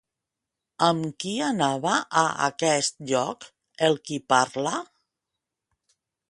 Amb qui anava a aquest lloc el qui parla?